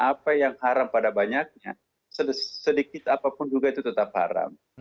apa yang haram pada banyaknya sedikit apapun juga itu tetap haram